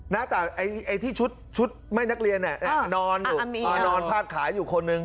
นะแต่ไอ้ไอ้ที่ชุดชุดไม่นักเรียนเนี้ยอ่านอนอยู่อ่านอนพาดขายอยู่คนหนึ่ง